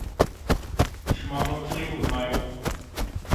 Şima no key vurnayo?